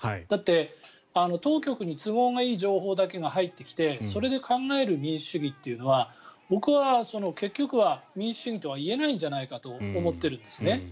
だって、当局に都合がいい情報だけが入ってきてそれで考える民主主義というのは僕は結局は民主主義とは言えないんじゃないかと思っているんですね。